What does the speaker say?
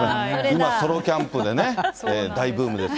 今ソロキャンプで大ブームです。